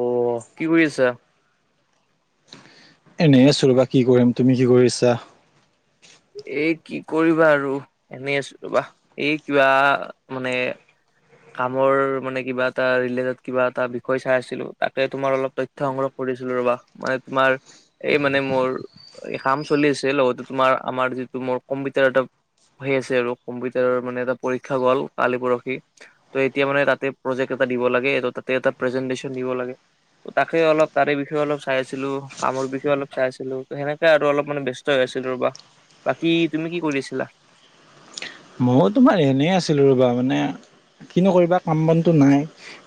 অঁ, কি কৰি আছা? এনেই আছো ৰবা, কি কৰিম তুমি কি কৰিছা? এই কি কৰিবা আৰু এনেই আছো ৰবা এই কিবা মানে কামৰ মানে কিবা এটা ৰিলেটেডত কিবা এটা বিষয় চাই আছিলো তাকে তোমাৰ অলপ তথ্য সংগ্ৰহ কৰিছিলো ৰবা। মানে তোমাৰ এই মানে মোৰ এই কাম চলি আছিল লগতে তোমাৰ আমাৰ যিটো মোৰ কম্পিউটাৰ এটা হৈ আছে, আৰু কম্পিউটাৰৰ মানে এটা পৰীক্ষা গ'ল কালি পৰহি ত', এতিয়া মানে তাতে প্ৰজেক্ট এটা দিব লাগে ত তাতে এটা প্ৰেজেন্টেশচন দিব লাগে। তাকে অলপ তাৰে বিষয়ে অলপ চাই আছিলো কামৰ বিষয়ে অলপ চাই আছিলো ত, সেনেকে আৰু অলপ মান ব্যস্ত হৈ আছিল ৰবা বাকী তুমি কি কৰিছিলা? ময়ো তোমাৰ এনেই আছিলোঁ ৰ'বা মানে কিনো কৰিবা কাম বনটো নাই।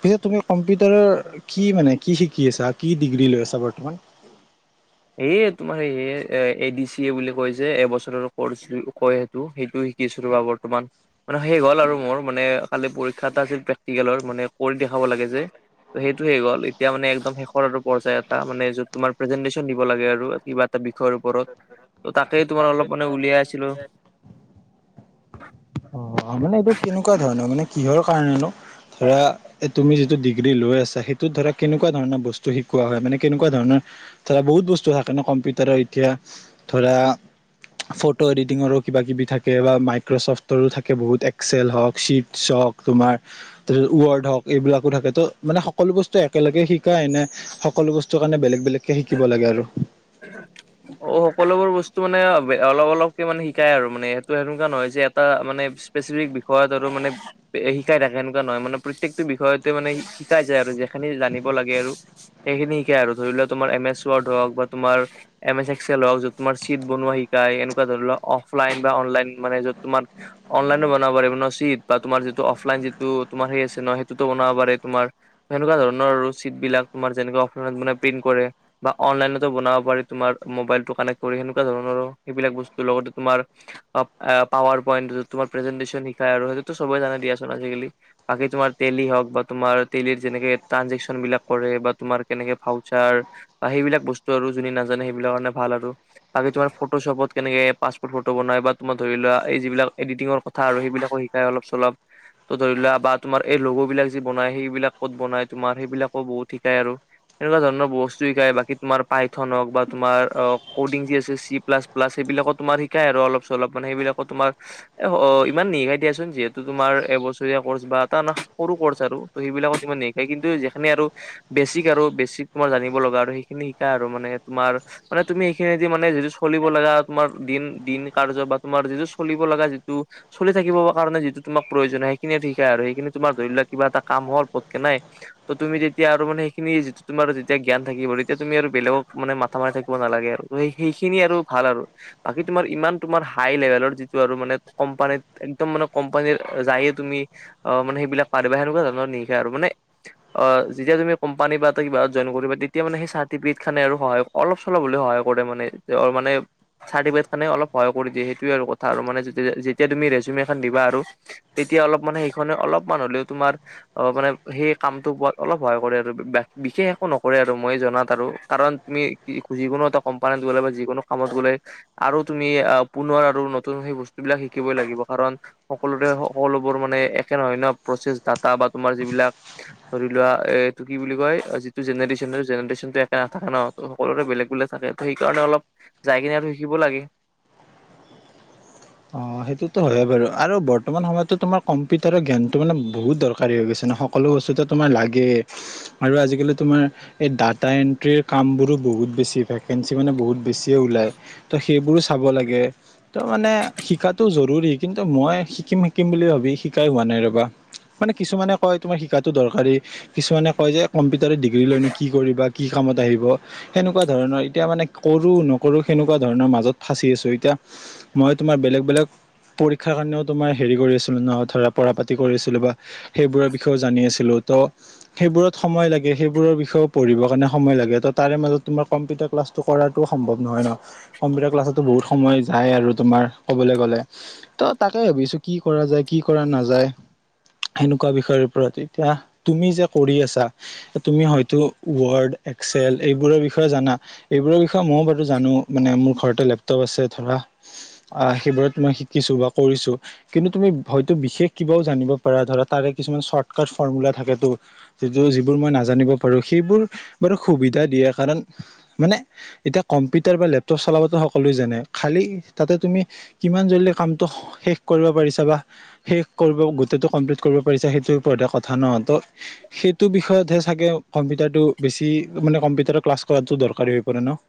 পিছে তুমি কম্পিউটাৰৰ কি মানে কি শিকি আছা কি ডিগ্ৰী লৈ আছা বৰ্তমান। এ, তোমাৰ সয়ে এ, ডি, চি এ বুলি কয় যে এবছৰৰ কৰ্চ কয়। টো সেইটো শিকিছো ৰবা বৰ্তমান মানে শেষ হ'ল আৰু মোৰ মানে কালি, পৰীক্ষা এটা আছিল প্ৰেক্টিকেলৰ মানে কৰি দেখাব লাগে যে ত, সেইটো শেষ গ'ল, এতিয়া মানে একদম শেষৰ আৰু পৰ্যায় এটা মানে যত তোমাৰ প্ৰেছেণ্টেচন দিব লাগে আৰু কিবা এটা বিষয়ৰ ওপৰত ত তাকে তোমাৰ অলপ মানে উলিয়াই আছিলো। অ মানে এইটো কেনেকুৱা ধৰণৰ, মানে কিহৰ কাৰণেনো ধৰা তুমি যিটো ডিগ্ৰী লৈ আছা, সেইটোত ধৰা কেনেকুৱা ধৰণৰ বস্তু শিকোৱা হয় মানে কেনেকুৱা ধৰণৰ ধৰা বহুত বস্তু থাকে ন, কম্পিউটাৰৰ এতিয়া ধৰা ফটো এডিটিঙৰো কিবা কিবি থাকে বা মাইক্ৰ'চফ্টৰো থাকে বহুত এক্সেল হওঁক চ্বিটছ হওঁক তোমাৰ ৱৰ্ড হওঁক এইবিলাকো থাকে ত, মানে সকলো বস্তু একেলগে শিকাই নে সকলো বস্তু কাৰণে বেলেগ বেলেগ কে শিকিব লাগে আৰু [inaudible] অঁ, সকলোবোৰ বস্তু মানে অলপ অলপকে মানে শিকাই আৰু মানে সেইটো সেনেকুৱা নহয় যে এটা মানে স্পেচিফিক বিষয়ত আৰু মানে এ, শিকাই থাকে এনেকুৱা নহয় মানে প্ৰত্যেকটো বিষয়তে মানে শিকাই যায় আৰু যে সেইখিনি জানিব লাগে আৰু সেইখিনি শিকে আৰু ধৰি লোৱা তোমাৰ এম, এছ ৱাৰড হওঁক বা তোমাৰ এম, এছ এক্সেল হওঁক য'ত তোমাৰ চিট বনোৱা শিকাই এনেকুৱা ধৰি লোৱা, অফলাইন বা অনলাইন মানে য'ত তোমাৰ অনলাইন বনাব পাৰে বা তোমাৰ যিটো অফলাইন যিটো তোমাৰ সেই আছে ন সেইটোতো বনাব পাৰে তোমাৰ সেনেকুৱা ধৰণৰ ৰচিদ বিলাক তোমাৰ যেনেকা অফলাইনত মানে প্ৰিণ্ট কৰে বা অনলাইনত টো বনাব পাৰি তোমাৰ মবাইলটো কানেক্ট কৰি। সেনেকুৱা ধৰণৰো সেইবিলাক বস্তুৰ লগত তোমাৰ অ এ পাৱাৰ পইণ্ট তোমাৰ প্ৰেজেন্টেশচন শিকাই আৰু সেইটোতো সবে জানে দিয়াচোন আজিকালি। বাকী তোমাৰ তেলি হওক বা তোমাৰ তেলিৰ যেনেকে ট্ৰানজেকচন বিলাক কৰে বা তোমাৰ কেনেকে ভাউচাৰ বা সেইবিলাক বস্তু আৰু যোনে নাজানে সেইবিলাকৰ কাৰণে ভাল আৰু। বাকী তোমাৰ ফটোশ্বপত কেনেকে পাচপৰ্ট ফটো বনাই বা তোমাক ধৰি লোৱা এই যিবিলাক এডিটিঙৰ কথা আৰু সেইবিলাকো শ এ অলপ চলপ। তো ধৰি লোৱা বা তোমাৰ এই লোগো বিলাক যি বনাই। সেইবিলাক ক'ত বনাই তোমাৰ, সেইবিলাকো বহুত শিকাই আৰু। এনেকুৱা ধৰণৰ বস্ত শিকাই। বাকী তোমাৰ পাইথন হওক বা তোমাৰ অ ক'ডিং যি আছে চি প্লাছ প্লাছ। সেইবিলাকো তোমাৰ শিকায় আৰু অলপ চলপ মানে সেইবিলাক অ তোমাৰ এ অ ইমান নিশিকাই দিয়াচোন। যিহেতু তোমাৰ এবছৰীয়া কৰ্চ বা এটা সৰু কৰ্চ আৰু। ত' সেইবিলাকত ইমান নিশিকাই। কিন্তু যিখিনি আৰু বেছিক আৰু বেছিক তোমাৰ জানিব লগা আৰু সেইখিনি আৰু মানে তোমাৰ মানে তুমি এইখিনি দি মানে যিটো চলিব লাগা তোমাৰ দিন দিন কাৰ্য্য বা তোমাৰ যিটো চলিব লাগা যিটো চলি থাকিব কাৰণে যিটো তোমাক প্ৰয়োজন হয়। সেইখিনিয়ে ঠিকে আৰু। সেইখিনি তোমাৰ ধৰি লোৱা কিবা এটা কাম হল পতকে নাই। ত' তুমি তেতিয়া আৰু মানে সেইখিনি যিটো তোমাৰ যেতিয়া জ্ঞান থাকিব। তেতিয়া তুমি আৰু বেলেগক মানে মাথা মাৰি থাকিব নালাগে আৰু। সেইখিনি আৰু ভাল আৰু। বাকী তোমাৰ ইমান তোমাৰ হাই লেভেলৰ যিটো আৰু মানে কোম্পানীত একদম মানে কোম্পানী যায়ে তুমি অ, মানে সেইবিলাক পাৰিবা সেনেকুৱা ধৰণৰ নিশিকাই আৰু মানে। অ, যেতিয়া তুমি কোম্পানী বা ত' কিবাহত জইন কৰিবা। তেতিয়া মানে সেই চাৰ্ট টিপিত খানে আৰু সহায় অলপ চলপ হলেও সহায় কৰে মানে। তেওঁৰ মানে চাৰ্টিফিকেট খনে অলপ সহায় কৰি দিয়ে। সেইটোৱে আৰু কথা আৰু। মানে যেতিয়া তুমি ৰেজোমে এখন দিবা আৰু। তেতিয়া অলপ মানে সেইখনে অলপমান হ'লেও তোমাৰ অ, মানে সেই কামটো পোৱাত অলপ সহায় কৰে আৰু। বিশেষ একো নকৰে আৰু মই জনাত। আৰু কাৰণ তুমি যিকোনো এটা কোম্পানীত গ'লে বা যিকোনো কামত গ'লে আৰু তুমি আহ পুনৰ আৰু নতুন সেই বস্তু বিলাক শিকিবই লাগিব। কাৰণ সকলোৰে সকলোবোৰ মানে একে নহয় ন। প্ৰচেছ ডাটা বা তোমাৰ যিবিলাক ধৰি লোৱা, এ এইটো কি বুলি কয়? যিটো জেনেৰেচন জেনেৰেন একে নাথাকে ন। ত' সকলোৰে বেলেগ বেলেগ থাকে। ত' সেইকাৰণে অলপ যাই কিনে আৰু শিকিব লাগে। অঁ সেইটোতো হয়ে বাৰু। আৰু বৰ্তমান সময়তো তোমাৰ কম্পিউটাৰৰ জ্ঞানটো মানে বহুত দৰকাৰী হৈ গৈছে ন। সকলো বস্তুতে তোমাৰ লাগে আৰু আজিকালি তোমাৰ এ ডাটা এণ্ট্ৰিৰ কামবোৰো বহুত বেছি ভেকেঞ্চি, মানে বহুত বেছিয়ে ওলায়। ত' সেইবোৰো চাব লাগে। ত' মানে শিকাটো জৰুৰী। কিন্তু মই শিকিম শিকিম বুলি ভাবি শিকাই হোৱা নাই ৰবা। মানে কিছুমানে কয়, তোমাৰ শিকাটো দৰকাৰী। কিছুমানে কয় যে, কম্পিউটাৰে ডিগ্ৰী লৈনো কি কৰিবা? কি কামত আহিব? সেনেকুৱা ধৰণৰ। এতিয়া মানে কৰো নকৰো সেনেকুৱা ধৰণৰ মাজত ফাঁচি আছো। এতিয়া মই তোমাৰ বেলেগ বেলেগ পৰীক্ষাৰ কাৰণেও তোমাৰ হেৰি কৰি আছিলো ন। ধৰা পঢ়া পাতি কৰিছিলো বা সেইবোৰ বিষয়েও জানি আছিলো। ত' সেইবোৰত সময় লাগে। সেইবোৰৰ বিষয়েও পঢ়িব কাৰণে সময় লাগে। ত' তাৰে মাজত তোমাৰ কম্পিউটাৰ ক্লাছ টো কৰাটো সম্ভৱ নহয় ন। কম্পিউটাৰ ক্লাছতো বহুত সময় যায় আৰু তোমাৰ কবলে গ'লে। ত' তাকে ভাবি আছো, কি কৰা যায়, কি কৰা নাযায়। সেনেকুৱা বিষয়ৰ ওপৰত। এতিয়া তুমি যে কৰি আছা? তুমি হয়তো ৱৰ্ড, এক্সেল এইবোৰৰ বিষয়ে জানা? এইবোৰৰ বিষয়ে মইও বাৰু জানো, মানে মোৰ ঘৰতে লেপটপ আছে ধৰা। আহ, সেইবোৰত মই শিকিছোঁ বা কৰিছো। কিন্তু তুমি হয়তো, বিশেষ কিবাও জানিব পাৰা, ধৰা তাৰে কিছুমান চৰ্টকাট ফৰ্মুলা থাকেতো। য, যিবোৰ মই নাজানিব পাৰো, সেইবোৰ বাৰু সুবিধা দিয়ে কাৰণ মানে, এতিয়া কম্পিউটাৰ বা লেপটপ চলাবাতো সকলোৱে জানে খালি তাতে তুমি কিমান জল্দি কামটো শেষ কৰিব পাৰিছা বা শেষ কৰিব গোটেইটো কমপ্লিট কৰিব পাৰিছা, সেইটোৰ ওপৰতে কথা ন। সেইটো বিষয়তহে চাগে কম্পিউটাৰটো বেছি মানে, কম্পিউটাৰ ক্লাছ কৰাতো দৰকাৰী হৈ পৰে ন।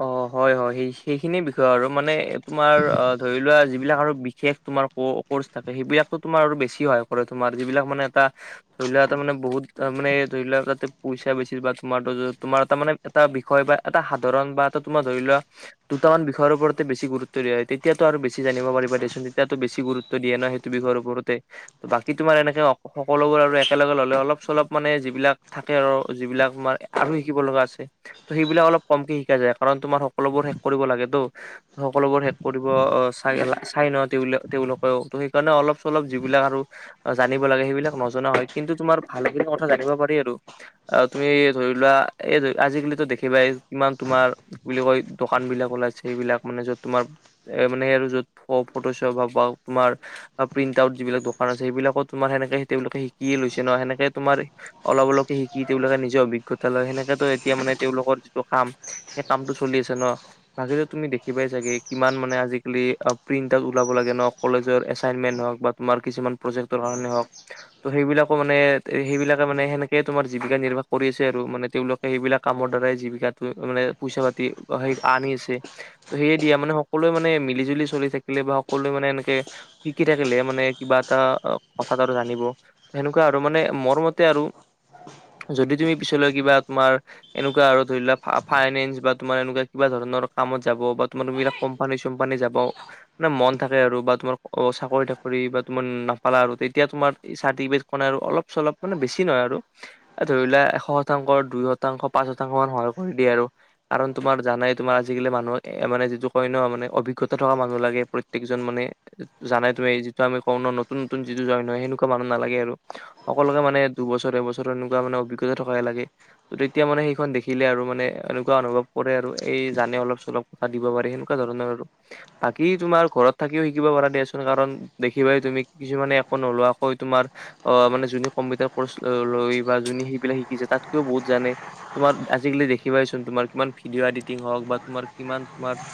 অ, হয় হয় সেই সেইখিনি বিষয় আৰু মানে তোমাৰ অ, ধৰি লোৱা যিবিলাক আৰু বিশেষ তোমাৰ কৰ্চ থাকে, সেইবিলাকতো তোমাৰ আৰু বেছি হয়, কৰে তোমাৰ যিবিলাক মানে এটা ধৰি লোৱা এটা মানে বহুত মানে ধৰি লোৱা এ, তাতে পইচা বেছি বা তোমাৰো, তোমাৰ এটা মানে এটা বিষয় বা এটা সাধাৰণ বা এটা তোমাৰ ধৰি লোৱা দুটা মান বিষয়ৰ ওপৰতে বেছি গুৰুত্ব দিয়া হয়, তেতিয়াটো আৰু বেছি জানিব পাৰিব দেচোন তেতিয়াতো বেছি গুৰুত্ব দিয়ে ন, সেইটো বিষয়ৰ ওপৰতে। ত, বাকী তোমাৰ এনেকে সকলোবোৰ আৰু একেলগে ললে অলপ-চলপ মানে যিবিলাক থাকে আৰু যিবিলাক মানে আৰু শিকিব লগা আছে ত, সেইবিলাক অলপ কমকে শিকা যায় কাৰণ তোমাৰ সকলোবোৰ শেষ কৰিব লাগে তো। সকলোবোৰ শেষ কৰিব আহ, চাই, চাই, ন, তেওঁলোকেও ত, সেইকাৰণে অল- চলপ যিবিলাক আৰু জানিব লাগে, সেইবিলাক নজনা হয়, কিন্তু তোমাৰ ভালেখিনি কথা জানিব পাৰি আৰু। আৰু তুমি ধৰি লোৱা, এই ধৰি আজিকালিতো দেখিবাই। কিমান তোমাৰ কি বুলি কয়, দোকান বিলাক ওলাইছে সেইবিলাক মানে য'ত তোমাৰ এ, মানে য'ত ফটো চপ হ'ওক বা তোমাৰ প্ৰিণ্ট আউট যিবিলাক দোকান আছে, সেইবিলাকো তোমাৰ সেনেকে তেওঁলোকে শিকিয়ে লৈছে ন, সেনেকে তোমাৰ অলপ অলপকে, শিকি তেওঁলোকে নিজৰ অভিজ্ঞতা লয়, সেনেকেতো এতিয়া মানে তেওঁলোকৰ টো, কাম সেই কামটো চলি আছে ন, বাকীতো তুমি দেখিবাই চাগে, কিমান মানে আজিকালি প্ৰিন্ট আউট ওলাব লাগে ন, কলেজৰ এচাইনমেণ্ট হ'ওক বা তোমাৰ কিছুমান প্ৰজেক্টৰ কাৰণে হ'ওক। ত, সেইবিলাকো মানে সেইবিলাকে মানে সেনেকে তোমাৰ জীৱিকা নিৰ্বাহ কৰি আছে আৰু মানে তেওঁলোক এইবিলাক কামৰ দ্বাৰাই জীৱিকাটো মানে পইচা পাতি সেই আনিছে। ত, সেয়ে দিয়া মানে সকলোৱে মানে মিলি জুলি-চলি থাকিলে বা সকলোৱে মানে এনেকে শিকি থাকিলে মানে, কিবা এটা কথাত আৰু জানিব। সেনেকুৱা আৰু মানে মোৰ মতে আৰু। যদি তুমি পিছলৈ কিবা তোমাৰ এনেকুৱা আৰু ধৰি লোৱা। ফাইনেন্স বা তোমাৰ এনেকুৱা কিবা ধৰণৰ কামত যাব বা তোমাৰবিলাক কোম্পানী-চোম্পানী যাব। মানে মন থাকে আৰু বা তোমাৰ অ, চাকৰি তাকৰি বা তুমাৰ নাপালা আৰু তেতিয়া তোমাৰ চাৰ্টিফিকট খনে আৰু অল- চলপ মানে বেছি নহয় আৰু। এই ধৰিলোৱা এশ, শতাংশৰ দুই শতাংশ, পাঁচ শতাংশ, মান সহায় কৰি দিয়ে আৰু। কাৰণ তোমাৰ জানাই তোমাৰ আজিকালি মানুহক মানে যিটো কয় ন, মানে অভিজ্ঞতা থকা মানুহ লাগে প্ৰত্যেকজন মানে জানাই তুমি যিটো আমি কও ন, নতুন, নতুন যিটো জইন হয় সেনেকুৱা মানুহ নালাগে আৰু। সকলোকে মানে দুবছৰ, এৰবছৰ, এনেকুৱা মানে অভিজ্ঞতা থকাহে লাগে ত তেতিয়া মানে সেইখন দেখিলে আৰু মানে মানে এনেকুৱা অনুভৱ কৰে আৰু এই জানে অলপ, চলপ কথা দিব পাৰে সেনেকুৱা ধৰণৰ আৰু। বাকি তোমাৰ ঘৰত থাকিও শিকিব পৰা, দিয়াচোন কাৰণ দেখিবাই তুমি কিছুমানে একো নোলোৱাকৈ তোমাৰ অ, মানে যোনে কম্পিউটাৰ কৰ্চ লৈ বা যোনে সেইবিলাক শিকিছে তাতকৈও বহুত জানে। তোমাৰ আজিকালি দেখিবাইচোন তোমাৰ, কিমান ভিডিঅ' এডিটিং হ'ওক বা তোমাৰ কিমান তোমাৰ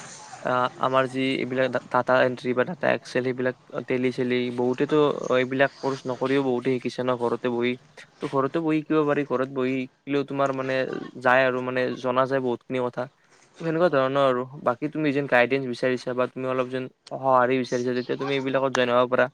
আহ, আমাৰ যি এইবিলাক ডাটা এণ্ট্ৰি বা ডাটা এক্সেল সেইবিলাক টেলি-চেলি বহুতেতো কয়, এইবিলাক কৰ্চ নকৰিও বহুতে শিকিছে ন, ঘৰতে বহি। ত ঘৰতে বহি শিকিব পাৰি ঘৰত বহি শিকিলেও তোমাৰ মানে যায়। আৰু মা মানে জনা যায় বহুতখিনি কথা। সেনেকুৱা ধৰণৰ আৰু বাকী তুমি যেন গাইডেন্স বিচাৰিছা বা তুমি অলপ যেন। অঁ সহাৰি বিচাৰিছা তেতিয়া তুমি এইলাকত জইন হব পাৰা।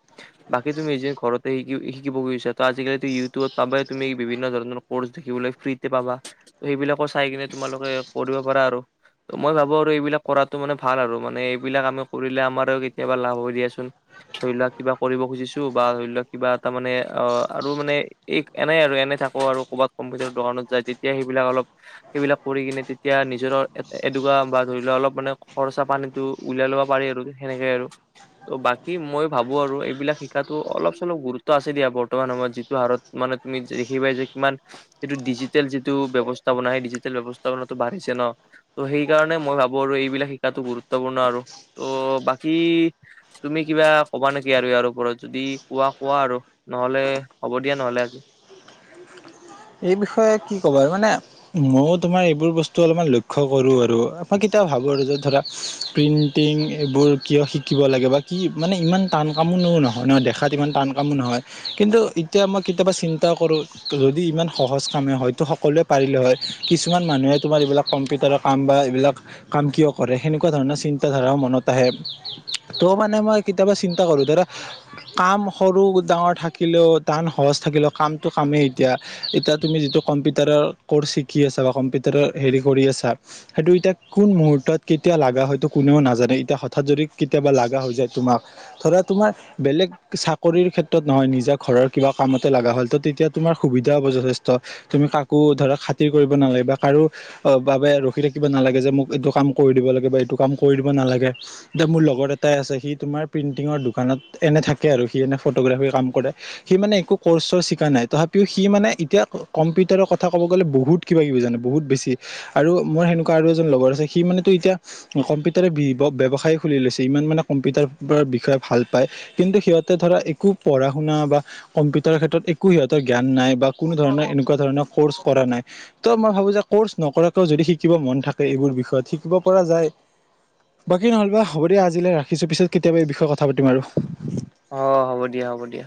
বাকী তুমি নিজে ঘৰতে শিকি শিকিব গৈছা তো আজিকালিতো ইউটিউবত পাবাই তুমি বিভিন্ন ধৰণৰ। কৰ্চ দেখিবলৈ ফ্ৰীতে পাবা সেইবিলাকো চাই কিনে তোমালোকে কৰিব পাৰা। আৰু ত মই ভাবো আৰু এইবিলাক কৰাতো মানে ভাল আৰু মানে এইবিলাক আমি কৰিলে আমাৰো কেতিয়াবা লাভ হ'ব দিয়াচোন। ধৰি লোৱা কিবা কৰিব খুজিছো বা ধৰি লোৱা কিবা এটা মানে অ আৰু মানে। এই এনেই আৰু এনে থাকো আৰু ক'ৰবাত কম্পিউটাৰ, দোকানত যায় তেতিয়া সেইবিলাক অলপ সেইবিলাক কৰি কিনে তেতিয়া নিজৰ এনেকুৱা বা ধৰি লোৱা অলপ মানে খৰচা পানীটো। উলাই ল'ব পাৰি আৰু সেনেকে আৰু ত' বাকী মই ভাবো আৰু এইবিলাক শিকাতো অলপ চলপ গুৰুত্ব আছে দিয়া বৰ্তমান সময়ত যিটো হাৰত মানে তুমি দেখি পাই যে কিমান এইিটো ডিজিটেল, যিটো বয়ৱস্থা বনাই সেই ডিজিটেল, ব্যৱস্থাটো, বাঢ়িছে ন। ত', সেইকাৰণে মই ভাবো আৰু এইবিলাক শিকাতো গুৰুত্বপূৰ্ণ আৰু ত' বাকী তুমি কিবা ক'বা নেকি আৰু ইয়াৰ ওপৰত যদি কোৱা কোৱা আৰু নহলে হ'ব দিয়া, নহলে আজি। এই বিষয়ে কি ক'বা আৰু মানে ময়ো তোমাৰ এইবোৰ বস্তু অলপমান লক্ষ্য কৰো আৰু মই কেতিয়াও ভাবো আৰু যে ধৰা প্ৰিণ্টিং এইবোৰ কিয় শিকিব লাগে বা কি মানে ইমান টান কামোনো নহয়, নহয় দেখাত ইমান টান কামো নহয় কিন্তু এতিয়া মই কেতিয়াবা চিন্তা কৰো যদি ইমান সহজ কামে হয়তো সকলোৱে পাৰিলে হয় কিছুমান মানুহে তোমাৰ এইবিলাক কম্পিউটাৰৰ, কাম বা এইবিলাক কাম কিয় কৰে সেনেকুৱা ধৰণৰ চিন্তা ধাৰা মনত আহে ত' মানে মই কেতিয়াবা চিন্তা কৰো ধৰা কাম সৰু, ডাঙৰ থাকিলেও টান সহজ থাকিলেও কামটো কামেই এতিয়া। এতিয়া তুমি যিটো কম্পিউটাৰৰ, কৰ্চ শিকি আছা বা কম্পিউটাৰ হেৰি কৰি আছা সেইটো এতিয়া কোন মুহুৰ্তত কেতিয়া লগা হয়তটো কোনেও নাজানে এতিয়া হঠাৎ যদি কেতিয়াবা লগা হৈ যায় তোমাক ধৰা তোমাৰ বেলেগ চাকৰিৰ ক্ষেত্ৰত নহয় নিজা ঘৰৰ কিবা কামতে লগা হ'ল ত তেতিয়া তোমাৰ সুবিধা তেতিয়া হব, যথেষ্ট তুমি কাকো ধৰ খাতিৰ কৰিব নালাগে বা কাৰো অঁ, বাবে ৰখি থাকিব নালাগে যে মোক এইটো কাম কৰি দিব লাগে বা এইটো কাম কৰি দিব নালাগে। এতিয়া মোৰ লগৰ এটাই আছে সি তোমাৰ প্ৰিন্টিঙৰ, দোকানত এনে থাকে আৰু সি এনে ফটোগ্ৰাফী, কাম কৰে। সি মানে একো কৰ্চ চৰচ, শিকা নাই তথাপিও সি মানে এতিয়া কম্পিউটাৰৰ, কথা ক'ব গ'লে বহুত কিবা কিবি জানে বহুত বেছি। আৰু মোৰ সেনেকুৱা, আৰু এজন লগৰ আছে সি মানেতো এতিয়া কম্পিউটাৰে, বি ব্যয়ৱসায় খুলি লৈছে ইমান মানে কম্পিউটাৰৰ বিষয়ে ভাল পায়। কিন্তু সিহঁতে ধৰা একো পঢ়া শুনা বা কম্পিউটাৰৰ, ক্ষেত্ৰত একো সিহঁতৰ জ্ঞান নাই বা কোনো ধৰণৰ এনেকুৱা ধৰণৰ ক'ৰ্চ কৰা নাই। ত, মই ভাবো যে কৰ্চ, নকৰাকেও যদি শিকিব মন থাকে এইবোৰ বিষয়ত শিকিব পৰা যায়। বাকী নহ'বা, হ'ব দিয়া আজিলৈ ৰাখিছো পিছত কেতিয়াব এই বিষয়ে কথা পাতিম আৰু। অঁ, হ'ব দিয়া, হ'ব দিয়া।